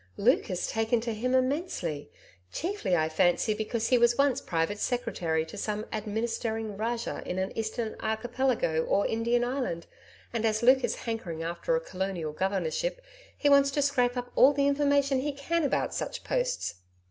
Luke has taken to him immensely, chiefly, I fancy, because he was once private secretary to some Administrating Rajah in an Eastern Archipelago or Indian Island, and as Luke is hankering after a colonial governorship, he wants to scrape up all the information he can about such posts.